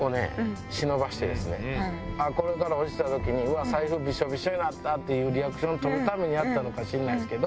これから落ちたときに「財布ビショビショになった！」っていうリアクション取るためにやったのかしんないですけど。